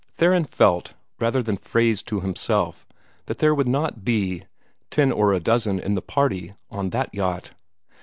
Theron felt, rather than phrased to himself, that there would not be "ten or a dozen in the party" on that yacht.